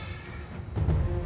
pergi dari sini